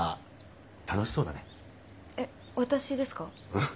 うん。